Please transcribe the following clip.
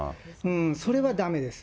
それはだめです。